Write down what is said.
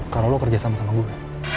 kalo lo kerja sama sama gue